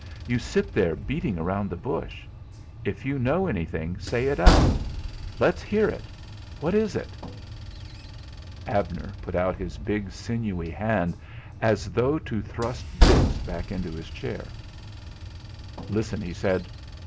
"You sit here beating around the bush. If you know anything, say it out; let's hear it. What is it?" Abner put out his big sinewy hand as though to thrust Dix back into his chair. "Listen!" he said.